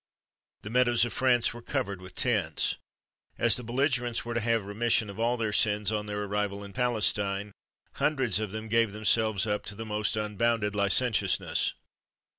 The meadows of France were covered with tents. As the belligerents were to have remission of all their sins on their arrival in Palestine, hundreds of them gave themselves up to the most unbounded licentiousness.